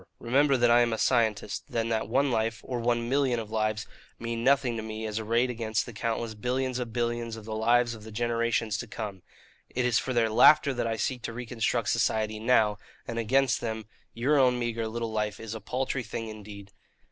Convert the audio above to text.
Remember that I am a scientist, and that one life, or one million of lives, mean nothing to me as arrayed against the countless billions of billions of the lives of the generations to come. It is for their laughter that I seek to reconstruct society now; and against them your own meagre little life is a paltry thing indeed.